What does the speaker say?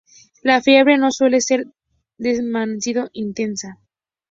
La fiebre no suele ser demasiado intensa.